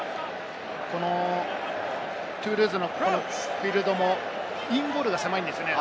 このトゥールーズのフィールドもインゴールが狭いんですよね。